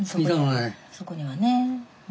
そこにはね。